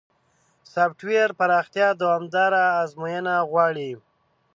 سافټویر پراختیا دوامداره ازموینه غواړي.